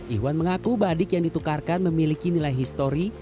iwan mengaku badik yang ditukarkan memiliki nilai histori